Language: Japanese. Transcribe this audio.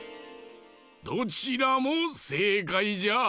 どちらもせいかいじゃ。